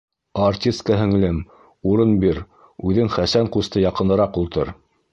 Артистка һеңлем, урын бир, үҙең Хәсән ҡусты янынараҡ ултыр.